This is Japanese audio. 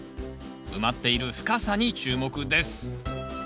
埋まっている深さに注目です